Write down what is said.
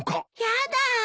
やだ！